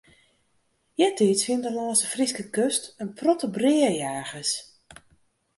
Eartiids wienen der lâns de Fryske kust in protte breajagers.